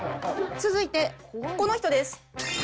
続いてこの人です。